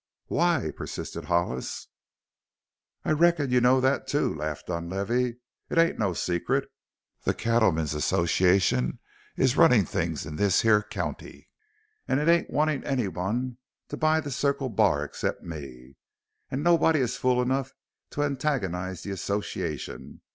"Why?" persisted Hollis. "I reckon you know that too," laughed Dunlavey. "It ain't no secret. The Cattlemen's Association is running things in this here county and it ain't wanting anyone to buy the Circle Bar except me. And nobody is fool enough to antagonize the Association.